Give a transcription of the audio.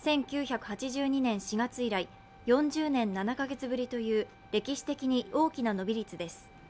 １９８２年４月以来、４０年７か月ぶりという歴史的に大きな伸び率です。